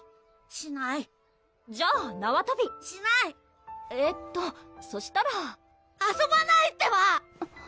しないじゃあ縄とびしないえーっとそしたら遊ばないってば！